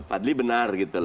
pak fadli benar gitu